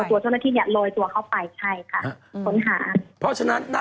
ตัวเจ้าหน้าที่เนี่ยโรยตัวเข้าไปใช่ค่ะค้นหาเพราะฉะนั้นน่ะ